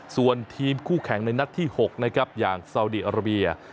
ส่วนทีมคู่แข่งในนัดที่๖นะครับอย่างซาวดีอาราเบีย